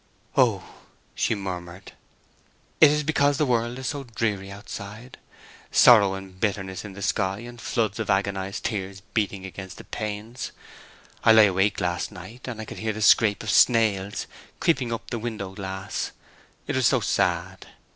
"Oh," she murmured, "it is because the world is so dreary outside. Sorrow and bitterness in the sky, and floods of agonized tears beating against the panes. I lay awake last night, and I could hear the scrape of snails creeping up the window glass; it was so sad!